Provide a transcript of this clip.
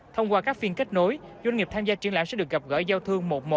thông qua các phiên kết nối doanh nghiệp tham gia triển lãm sẽ được gặp gỡ giao thương một một